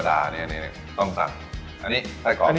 อ๋อที่เหลือมันเป็นขนาดของข้างหนาม